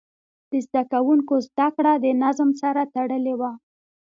د زده کوونکو زده کړه د نظم سره تړلې وه.